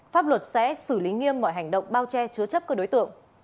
pháp luật sẽ xử lý nghiêm mọi hành động bao che chứa chấp các đối tượng